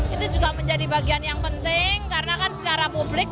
itu juga menjadi bagian yang penting karena kan secara publik